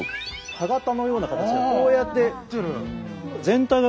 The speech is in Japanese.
歯形のような形がこうやって。